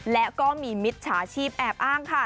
และก็มีมิจฉาชีพแอบอ้างค่ะ